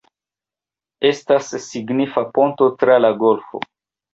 Estas signifa ponto tra la golfo.